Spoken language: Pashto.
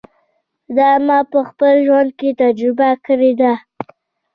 دا ما په خپل ژوند کې تجربه کړې ده.